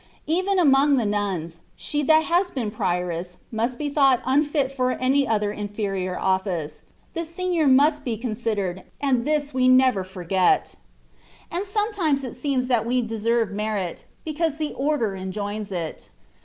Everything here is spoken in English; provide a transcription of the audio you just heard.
Even among nuns, she that has been prioress must be thought unfit for any other inferior office ; the senior must be con sidered, and this we never forget : and sometimes TKE WAT OF PERFECTION. 183 it seems that we deserve ment^ because the order enjoins it.